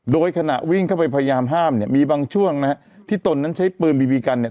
โดยขณะวิ่งเข้าไปพยายามห้ามเนี่ยมีบางช่วงนะฮะที่ตนนั้นใช้ปืนบีบีกันเนี่ย